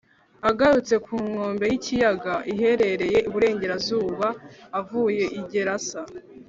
agarutse ku nkombe y’ikiyaga iherereye iburengerazuba avuye i gerasa,